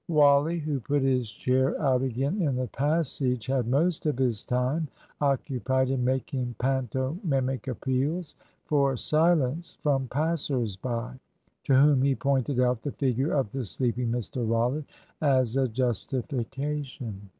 Wally, who put his chair out again in the passage, had most of his time occupied in making pantomimic appeals for silence from passers by, to whom he pointed out the figure of the sleeping Mr Rollitt as a justification.